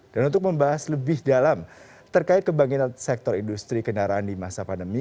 dan untuk membahas lebih dalam terkait kebangkitan sektor industri kendaraan di masa pandemi